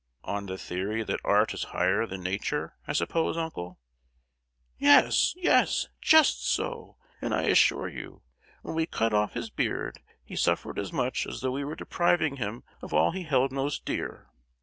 "On the theory that art is higher than nature, I suppose uncle?" "Yes, yes! Just so—and I assure you, when we cut off his beard he suffered as much as though we were depriving him of all he held most dear!